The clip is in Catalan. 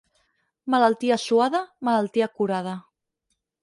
Malaltia suada, malaltia curada.